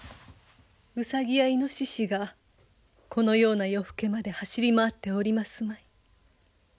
うさぎやいのししがこのような夜更けまで走り回っておりますまい。